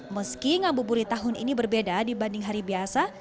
meski ngabuburit tahun ini berbeda dibanding hari biasa